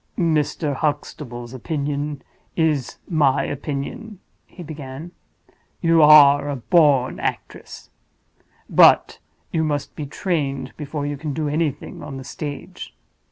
"Mr. Huxtable's opinion is my opinion," he began. "You are a born actress. But you must be trained before you can do anything on the stage.